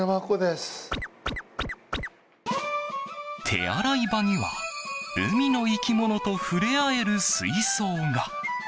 手洗い場には海の生き物と触れ合える水槽が。